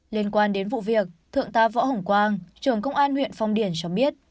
liên quan đến vụ việc thượng tá võ hồng quang trưởng công an huyện phong điền cho biết